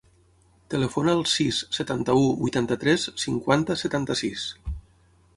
Telefona al sis, setanta-u, vuitanta-tres, cinquanta, setanta-sis.